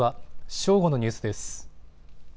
正午のニュースです。